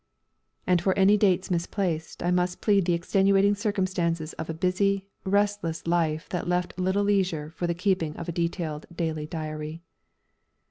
And for any dates misplaced I must plead the extenuating circumstances of a busy, restless life that left little leisure for the keeping of a detailed daily diary.